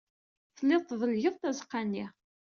Telliḍ tdellgeḍ tazeɣɣa-nni.